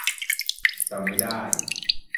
จำไม่ได้